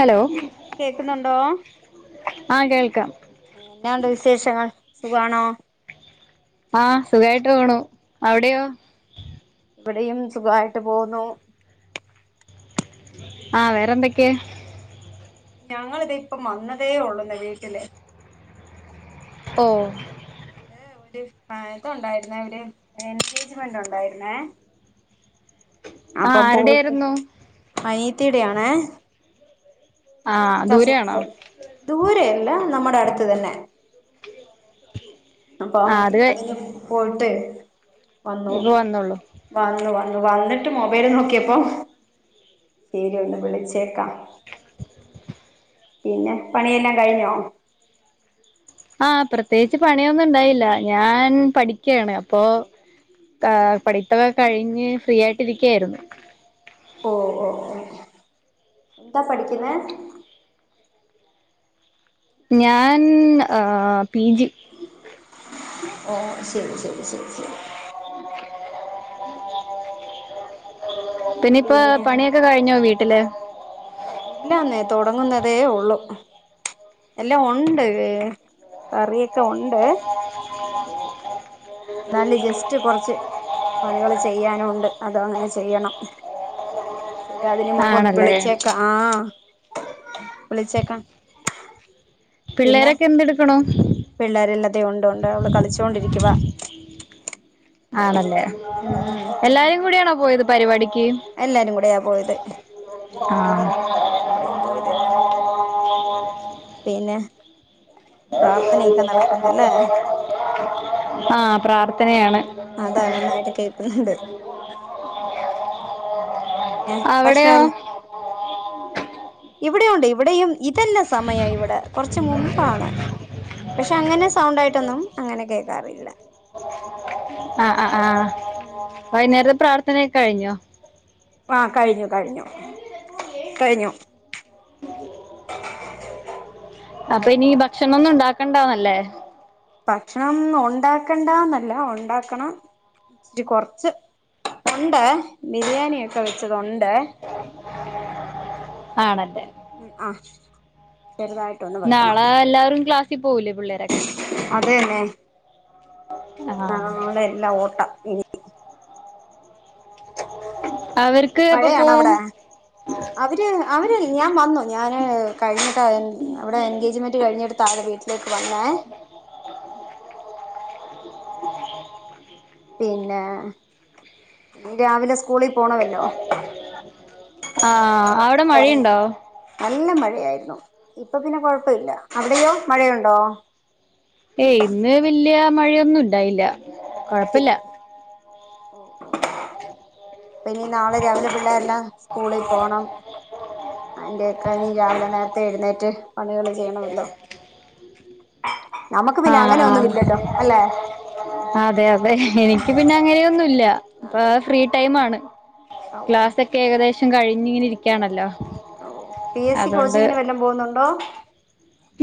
Hello കേക്കുന്നുണ്ടോ ആ കേൾക്കാം സുഗണോ ആ സുഖായിട്ട് പോണു അവിടെയോ ഇവിടെയും സുഖായിട്ട് പോന്നു ആ വേറെന്തൊക്കെയ ഞങ്ങളിത് ഇപ്പം വന്നതേ ഉള്ളുല്ല വീട്ടില് ഓ അത് ഒരു ഇത് ഉണ്ടായിരുനേ ഒരു എൻഗേജ്മെന്റ് ഉണ്ടായിരുന്നേ ആ അപ്പം പോയിട്ട് ആരുടെയായിരുന്നു അയി എത്തിടെയാണേ ആ ദൂരെയാണോ കാസേപർ ദൂരെ അല്ല നമ്മുടെ അടുത്ത് തന്നെ അപ്പ ആ അത് അതിന് പോയിട്ടേ വന്നു ഇപ്പ വന്നോള്ളൂ വന്നു വ വന്നിട്ട് മൊബൈല് നോക്കിയപ്പോ ശരി ഒന്ന് വിളിച്ചേക്കാം പിന്നെ പണിയെല്ലാം കഴിഞ്ഞോ ആ പ്രത്യേകിച്ച് പണിയൊന്നും ഇണ്ടായില്ല ഞാൻ പഠിക്കുകയാണ് അപ്പൊ പഠിത്തവോക്കെ കഴിഞ്ഞ് ഫ്രീ ആയിട്ടിരിക്കയായിരുന്നു ഓ ഓ ഓ എന്താ പഠിക്കുനേ ഞാൻ ആഹ് ഓ ശരി ശ [inaudible] െ ഉ പിന്നെ ഇപ്പ പണിയൊക്കെ കഴിഞ്ഞോ വീട്ടില് ഇല്ലാന്നേ തുടങ്ങുന്നതേ ഉള്ളു എല്ലാം ഉണ്ട് കറിയൊക്കെ ഉണ്ട് എന്നാല് ജസ്റ്റ് കുറച്ച് കണികള് ചെയ്യാനുണ്ട് അതും അങ്ങനെ ചെയ്യണം ശരി അതിന് മുമ്പ് ഒന്ന് ആണല്ലേ വിളിച്ചേക്ക ആ വിളിച്ചേക്കാ പിള്ളേരൊക്കെ എന്തെടുക്കണു പിള്ളേരെല്ലാതെയ ഉണ്ട് അവള് കളിച്ചോണ്ടിരി കവാ ആണല്ലേ എല്ലാരും കൂടിയണോ പോയത് പരിപാടി എല്ലാരും കൂടെയാ പോയത് ആഹ് എല്ലാരും കൂടെയാ പോയത് ആ പിന്നെ പ്രാർത്ഥനയൊക്കെ നടക്കുന്നല്ലേ ആഹ പ്രാർ തനയാണ് അതാ നന്നായിട്ട് കേൾക്കുന്നുണ്ട് പിന്നെ അവിടെയോ ഭക്ഷണംല്ല ഇവിടെയ ഉണ്ട് ഇവിടെയും ഇതന്നെ സമയം ഇവിടെ കുറച്ച് മുമ്പാണ് പക്ഷെ അങ്ങനെ സൗണ്ട ആയിട്ടൊന്നും അങ്ങനെ കേക്കാറില്ല വൈുന്നേരത്തെ പ്രാർഥന കഴിഞ്ഞോ ആ കഴിഞ്ഞു കഴിഞ്ഞു കഴിഞ്ഞു ഉ [unintelligible] അപ്പൊ ഇനി ഭക്ഷണ ഒന്നും ഇണ്ടാക്കണ്ടാവുന്നല്ലേ ഭക്ഷണം ഉണ്ടാക്കണ്ടന്നല്ല ഉണ്ടാക്കണം ഇച്ചരി കൊറച്ച് ഉണ്ട് ബിരിയാണി ഒക്കെ വെച്ചത്ണ്ട് ആണല്ലേ അപ്പം ഉ നാളെ എല്ലാവും ക്ലാസ് പോവുല പിള്ളേരൊക്കെ അതന്നെ ന ആഹ് അവിടെ എല്ലാം ഓട്ടം ഇനി അവർക്ക് എപ്പൊ പോവും മഴയാണവിടെ അവര് അവര് ഞാൻ വന്നു ഞാന് കഴിഞ്ഞിട്ട് അവിടെ എൻഗേജ്മെന്റ് കഴിഞ്ഞെടുത്താ വീട്ടിലേക്ക് വന്നേ പിന്നെ ഇന്ന് രാവിലെ സ് കൂളിൽ പോണമല്ലോ ആഹ് അവിടെ മഴയുണ്ടോ നല്ല മഴ യായിരുന്നു ഇപ്പൊ പിന്നെ കൊഴപ്പ ഇല്ല അവിടെയോ മഴയുണ്ടോ ഏയ് ഇന്ന് വല്യ മഴയൊന്നും ഇണ്ടായില്ല കൊഴപ്പില്ല ഓ ഇപ്പനീ നാളെ രാവിലെ പിള്ളേരെല്ലാം സ്കൂളിൽ പോകണം അതിന്റെയൊക്കെ നി രാവിലെ നേരത്തെ എഴുന്നേറ്റ് പണികള് ചെയ്യണമല്ലോ നമുക്ക് പിന്നെ ആഹ് അങ്ങനെ ഒന്നും ഇല്ലല്ലോ അല്ലെ ആ അതെ അതെ എനിക്ക് പിന്നെ അങ്ങനെയൊന്നുല്ല ഇപ്പ അതെ അതെ ഫ്രീ ടൈമാണ് ഓ ക്ലാസ് ഒക്കെ ഏകദേ ശം കഴിഞ്ഞിങ്ങനെ ഇരിക്കാണല്ലോ ഓ പി എസ് സി അതുകൊണ്ട് കോച്ചിങ്ങിന് വല്ലം പോകുന്നുണ്ടോ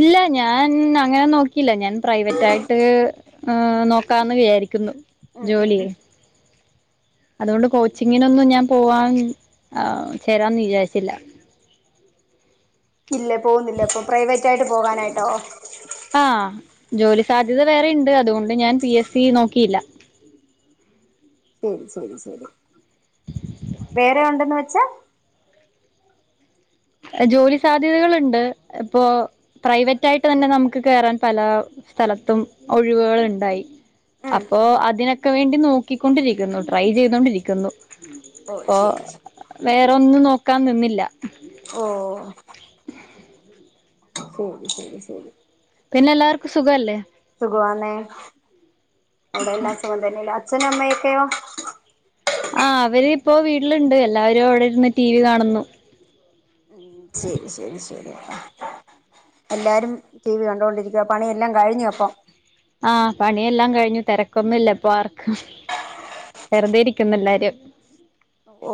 ഇല്ല ഞാൻ അങ്ങനെ നോക്കിയില്ല ഞാൻ പ്രൈവറ്റായിട്ട് നോക്കാന്ന് വിചാരിക്കുന്നു ഉം ഉം ജോലിയെ അതുകൊണ്ട് കോച്ചിങ്ങിനൊന്നും ഞാൻ പോവാൻ ആ ചേരാന്ന് വിചാരിച്ചില്ല ഇല്ലേ പോവ്ന്നില്ലേ അപ്പൊ പ്രൈവറ്റ് ആയിട്ട് പോകാനായിട്ടോ ആഹ് ജോലി സാധ്യത വേറെ ഇണ്ട് അതുകൊണ്ട് ഞാൻ പി എസ് സി നോക്കിയില്ല ശരി ശരി ശരി വേറെ ഉണ്ടെന്ന് വെച്ചാ ജോലി സാധ്യതകളുണ്ട് ഇപ്പോ പ്രൈവറ്റായിട്ട് തന്നെ നമുക്ക് കേറാൻ പല സ്ഥലത്തും ഒഴിവുകൾ ഉണ്ടായി ഉം അപ്പോ അതിനൊ ക്കെ വേണ്ടി നോക്കിക്കൊണ്ടിരിക്കുന്നു ട്രൈ ചെയ്തൊണ്ടിരിക്കുന്നു ഓ ഇപ്പൊ ശരി വേറൊന്ന് നോ ക്കാൻ നിന്നില്ല ഓ ഓ ശരി ശരി ശരി പിന്നെ എല്ലാവർക്കും സുഖവല്ലേ സുഖവാന്നെ അവിടെ എല്ലാ സുഖംതന്നെ എല്ലാ അഛനും അമ്മ ഒക്കയോ ആ അവരിപ്പോ വീട്ടിലുണ്ട് എല്ലാവരും അവിടെ ഇരുന്ന് ടി വി കാണുന്നു മ് ശരി ശരി ശരി എല്ലാരും ടീ വി കണ്ടൊണ്ടിരിക്കുവാ പണിയെല്ലാം കഴിഞ്ഞോഅപ്പം ആഹ് പണിയെല്ലാം കഴിഞ്ഞു തിരക്കൊന്നും ഇല്ല ഇപ്പൊ ആർക്കും വെറുതെ ഇരിക്കുന്നെല്ലാരും ഓ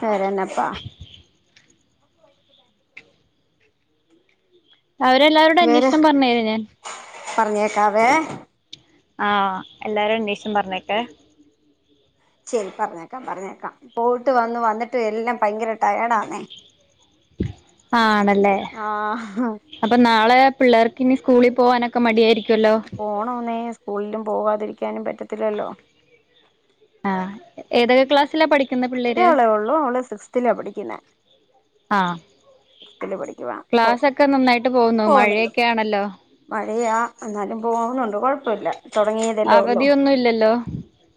വേറെന്നപ്പാ അവരെല്ലാവരോട് വേറെ അന്വേഷണം പറഞ്ഞേര് ഞാൻ പറഞ്ഞേക്കാവേ ആഹ് എല്ലാരും അന്വേഷം പറഞ്ഞേക്കെ ശരി പറഞ്ഞേക്കാം പറഞ്ഞേക്കാം പോയിട്ട് വന്ന് വന്നിട്ട് എല്ലാം ഭയങ്കര ടയേർഡന്നേ ആണല്ലേ ആഹ് അപ്പൊ നാളെ പിള്ളേർക്കിനി സ്കൂളിൽ പോവാനൊക്കെ മടിയായിരിക്കും പോണൊന്നേ സ്കൂളിലും പോകാതിരി ക്കാനും പറ്റത്തില്ലല്ലോ ആഹ് ഏതൊക്കെ ക്ലാസില പിഠി ഒരാളെ ഉള്ളൂ അവള് സിസ്തിലാ പഠിക്കുന്നേ ആ പോ ക്ലാസ്സോക്കെ നന്നായിട്ട് പോകുന്നോ മഴയൊക്കൊയാണല്ലോ ഴയാ എന്നാലും പോകുണുണ്ട് കുഴപ്പില്ല തുടങ്ങിയതെല്ലേ ഉള്ളൂ അവധിയൊന്നും ഇല്ലല്ലോ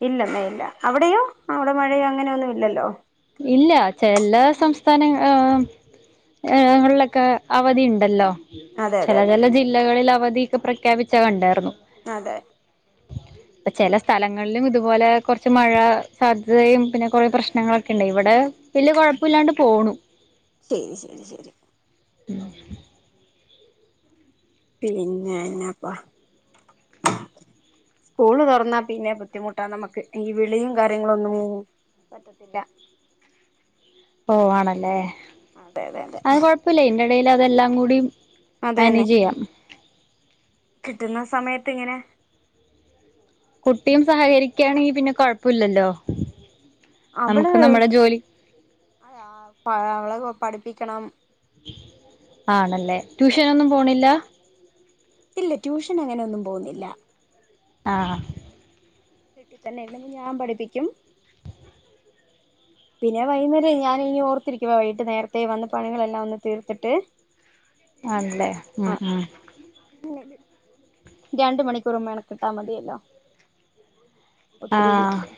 ഇല്ലെന്നേ ഇല്ല അവിടെയോ അവിടെ മഴയോ അങ്ങനെയൊന്നും ഇല്ലല്ലോ ഇല്ല ചെല സംസ്ഥാന ആ ങ്ങളിലൊക്കെ അവധി ഉണ്ടല്ലോ അതെ അതെ ചല അതെ ചല ജില്ലകളിൽ അവത് പ്രഖ്യപിച്ച കണ്ടായിരുന്നു അതെ ചില സ്ഥലങ്ങളിലും ഇതുപോലെ കുറച്ച് മഴ സാധ്യതയും പിന്നെ കുറ പ്രശ്നങ്ങളൊക്കെ ണ്ട് ഇവിടെ വല്യ കുഴപ്പ ഇില്ലാണ്ട് പോണു ശരി ശരി ശരി പി പിന്നന്നെപ്പ സ്കൂള് തുറന്നാ പിന്നെ ബുദ്ധിമുട്ടാ നമുക്ക് ഈ വിളിയും കാര്യങ്ങള ഒന്നും പറ്റത്തില്ല ഓ ആണല്ലേ അതെ അതെ അതെ ഇടയിൽ അതെല്ലാം കൂടി അത തന്നെ മാനേജ് ചെയ്യാം കിട്ടുന്ന സമയത്ത് ഇങ്ങനെ കുട്ടിയും സഹകരിക്കാണെങ്കി പിന്നെ കൊഴപ്പമില്ലലോ അവള് അത അവള പഠപ്പ പപ്പിക്കണം ആണല്ലേ ട്യൂഷനൊന്നും പോണില്ല ഇല്ല ട്യൂഷൻ അങ്ങനെയൊന്നും പോകുന്നില്ല ആ കിട്ടിത്തന്നെ ഞാൻ പഠിപ്പിക്കും പിന്നെ വൈകുന്നേരം ഞാൻ ഇനി ഓർത്തിരിക്കുവ വൈകിട്ട് നേരത്തെ വന്ന് പണികൾെല്ലാം വന്ന് തീർത്തിട്ട് ആല്ലേ ഉം ആ ഉ രണ്ട മണിക്കൂറും വേണം കിട്ടാ മതിയല്ലോ ഒത്തിരി ആഹ് ഇല്ലല്ലേ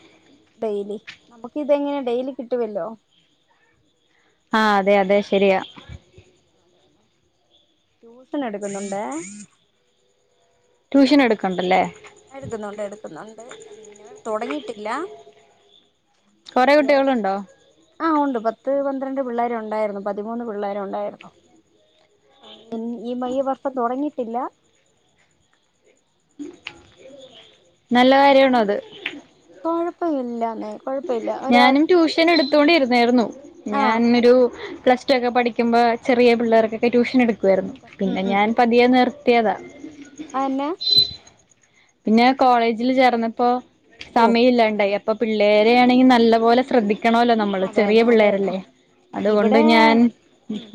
ഡെയിലി നമുക്ക് ഇതെങ്ങനെ ഡെയിലി കിട്ടുവല്ലോ ആഹ് അതെ അതെ ശരിയാ ട്യൂഷൻ എടുക്കുന്നുണ്ടേ ട്യൂഷൻ ട്യൂഷ എടുക്കണ്ടല്ലേ എടുക്കുന്നുണ്ട് എടുക്കുന്നുണ്ട് അത് ഇന്നവ തുടങ്ങിട്ടില്ല കൊറെ കുട്ടികളുണ്ടോ ആഹ് ഉണ്ട് പത്ത് പന്ത്ര ന്ത്രണ്ട് പിള്ളേരു ഉണ്ടായിരുന്നു പതിമൂന്ന് പിള്ളേരു ഉണ്ടായിരുന്നു ഈ ഈ വർഷം തുടങ്ങിട്ടില്ല നല്ല കാര്യമാണ് അത് കുഴപ്പമില്ലാന്നേ ഞാനും ട്യൂഷൻ എടു തൊണ്ടിരുന്നായിരുന്നു ആ ഞാൻ ഒരു പ്ലസ്ടു ഒക്കെ പഠിക്കുമ്പോ ചെറിയ പിള്ളേർക്കെക്കെ ട്യൂഷൻ എടുത്ത് ക്കുവാരുന്നു പിന്നെ ഞാൻ പതിയെ നിർ ത്തിയതാ അ എന്നാ പിന്നെ കോളേജില് ചേർന്നപ്പോ ഓ സമയം ഇല്ലാണ്ടായി അപ്പൊ പിള്ളേരെ ആണെങ്കിൽ നല്ല പോലെ ശ്രദ്ധി ത്തണോല്ലോ നമ്മള് ചെറിയ അതെന്നെ അതെന്നെ പിള്ളേരല്ലേ അതുകൊണ്ട് ഇവിടെ ഞാൻ ഉം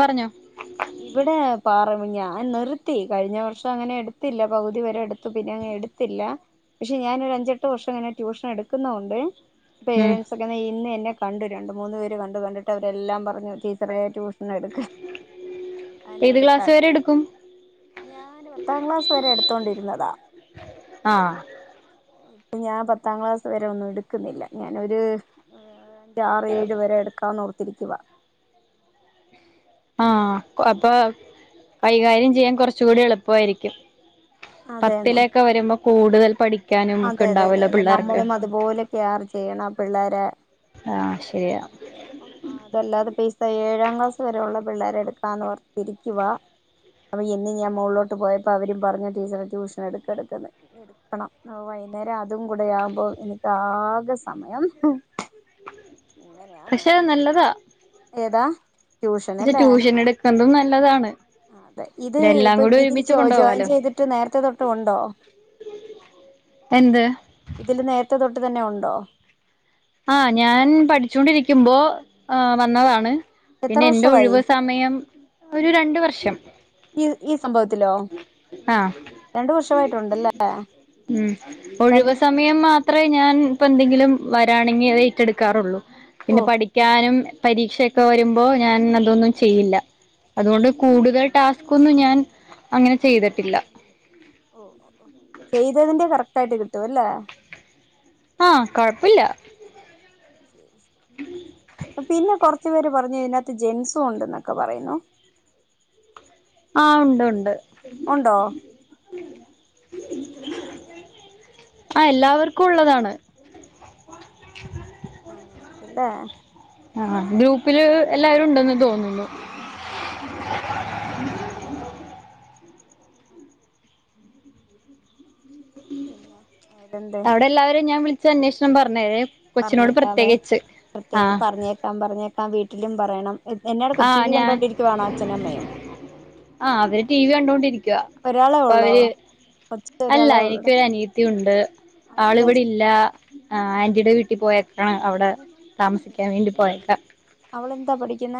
പറഞ്ഞോ ഇവിടെ പാറ ഞാൻ നിർത്തി കഴിഞ്ഞ വർഷം അങ്ങനെ എടുത്തില്ല പകുതി വരെ എടുത്തു പിന്നെ അങ്ങനെ ങ്ങ് എടുത്തില്ല പക്ഷെ ഞാാനൊ അഞ്ചെട്ട് വർഷം അങ്ങനെ ട്യൂഷൻ എടുക്കുന്നൊണ്ട് ഉം പേരൻ്റ്സ് ഒക്കതെ ഇന്ന് എ ന്നെ കണ്ടു രണ്ട് മൂന്ന് പേര് കണ്ടു കണ്ടിട്ട് അവരെല്ലാം പറഞ്ഞു ടീച്ചറെ ട്യൂഷൻ എടുക്ക് അനെ ഏത് ക്ലാസ് വരെ എടുക്കാത്ത എടുക്കും ഞാൻ പത്താം ക്ലാസ് വരെ എടുത്തോണ്ടിരുന്നതാ ആഹ് ഇപ്പ ഞാൻ പത്താം ക്ലാസ് വരെ ഒന്നും എടുക്കുന്നില്ല ഞാനൊരു [unintelligible] ആറ് ഏഴ് വരെ എടുക്കാന്ന് ഓ ർത്തിരിക്കുവാ ആഹ് അപ്പൊ കൈകാര്യം ചെയ്യാൻ കുറച്ച കൂടി എളുപ്പായിരിക്കും പത്തിലേക്കെ വരുമ്പോ കൂടുതൽ പഠി അതെയതെതെ നമ്മളും അതുപോലെ കെയർ ചെയ്യണം പിള്ളേരെ ആഹ് അതുകൊണ്ട് ശരിയാ ഞാനിപ്പം അതല്ലാതെ [unintelligible] ഇപ്പോ ഏഴാം ക്ലാസ്സ് വരെയുള്ള പിള്ളേരെ എടുക്കാ എന്ന് ഓർത്തിരിക്കുവാ അപ്പോ ഇന്ന് ഞാൻ മോളിലോട്ട് പോയപ്പോൾ അവരും പറഞ്ഞ് ടീച്ചറെ ട്യൂഷൻ എടുക്ക് എടുക്കെന്ന് എടുക്കണം ആ വൈകുന്നേരം അതും കൂടെ ആകുമ്പോ എനിക്ക് ആകെ സമയം എങ്ങനെയാന്ന് പക്ഷെ അറിയത്തി നല്ലതാ ഏതാ ട്യൂഷൻ പക്ഷെ അല്ലേ ട്യൂഷൻ എടുക്കുന്നതും നല്ലതാണ് അതെ ഇത് ഇതെല്ലാം ഇപ്പൊ കൂടി ഇതിൽ ഒരുമിച്ച് ജോയിൻ കൊണ്ടുപോവാലോ ചെയ്തിട്ട് നേരത്തെ തൊട്ട് ഉണ്ടോ എന്ത് ഇതില് നേരത്തെ തൊട്ട് തന്നെ ഉണ്ടോ ആഹ് ഞാൻ പഠിച്ചോൊണ്ടിരിക്കുമ്പോ ആ വന്നതാണ് എത്ര പിന്നെ എന്റെ വർഷമായി ഒഴിവ് സമയം ഒരു രണ്ട് വർഷം. ഈ ഈ സംഭവത്തിലോ ആഹ് രണ്ടു വർഷമായിട്ടുണ്ടല്ലേ ഉ ഒഴിവ് കണ്ടിന്യൂ സമയം മാത്രേ ഞാൻ ഇപ്പ എന്തെ വരാണെങ്കിൽ അ ഏറ്റെടുക്കാറുള്ളൂ പിന്നെ ഓ പഠിക്കാനും പരീക്ഷയൊക്കെ വരുമ്പോ ഞാൻ അതൊന്നും ചെയ്യില്ല അതുകൊണ്ട് കൂടുതൽ ടാസ്ക്കോന്നും ഞാൻ അങ്ങനെ ചെയ്തിട്ടില്ല. ഓ ചെയ്തതിന്റെറെ കറക്റ്റയിട്ട് കിട്ടും അല്ലേ ആഹ് കൊഴപ്പില്ല പിന്നെ കൊറച്ചുപേര് പറഞ്ഞു ഇതിനകത്ത് ജെൻസും ഉണ്ട് എന്നൊക്കെ പറയുന്നു. ആഹ ഉണ്ട് ഉണ്ട്. ഉണ്ടോ ആ എല്ലാവർക്കും ഉള്ളതാണ് അങ്ങനെയുണ്ടല്ലേ ആഹ് ഗ്രൂപ്പില് എല്ലാവാരും ഉണ്ടെന്ന് തോന്നുന്നു ഓ ഓ ഓ ഉം പിന്നെ തെന്താ അവിടെ എല്ലാവരും ഞാൻ വിളിച്ച് അന്വേഷണം പറഞ്ഞേ പറഞ്ഞേക്കാവേ പ്രത്യേക ആഹ് പറഞ്ഞേക്കാം പറഞ്ഞേക്കാം വീട്ടിൽ ഒിലും പറയണം എന്നോട് ടി ആഹ് വി ഞാൻ കണ്ടോണ്ടിരിക്കുവാണോ അച്ഛനും അമ്മയും ആഹ് അവര് ടി വി കണ്ടൊണ്ടിരിക്കുവ ഒരാളെ അപ്പ ഉള്ളോ അവര് കൊച്ച് അല്ല ഒരാളെ ഉള്ളൂടാ എനിക്കൊരു അനിയത്തി ഉണ്ട് അ ആള് അവളെന്താ ഇവിടെ ഇല്ല ആ ആന്റിയുടെ വീട്ടിൽ പോയ ആ അവിടെ താമസിക്കാൻ വേണ്ടി പോയേക്ക എന്താ പഠിക്കുന്ന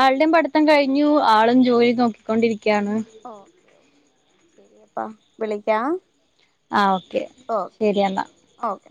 ആളുടെയും പഠിത്തം കഴിഞ്ഞു ആളും ജോലി നോക്കിക്കൊണ്ടിരി ക്കാണ്. ഓ ശരിയപ്പാ വിളിക്കാം. ആ ഓക്കെ ഓ ശരിയെന്നാ ഓക്കെ